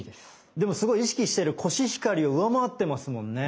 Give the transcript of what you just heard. でもすごい意識してるコシヒカリを上回ってますもんね。